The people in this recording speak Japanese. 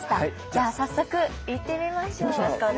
じゃあ早速行ってみましょう！